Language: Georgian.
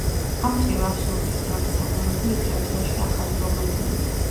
ამ მხრივ აბსურდის დრამის ანალოგი ლიტერატურაში ახალი რომანია.